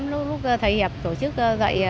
lúc thầy hiệp tổ chức dạy